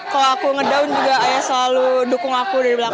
kalau aku nge down juga ayah selalu dukung aku dari belakang